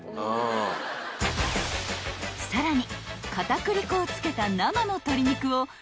［さらに］